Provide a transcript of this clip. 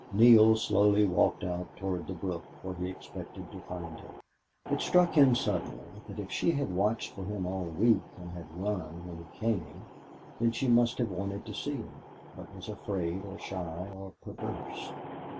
Neale slowly walked out toward the brook, where he expected to find her. It struck him suddenly that if she had watched for him all week and had run when he came, then she must have wanted to see him, but was afraid or shy or perverse.